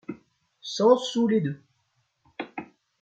Cent sous les deux !